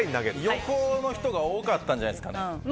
横の人が多かったんじゃないですかね？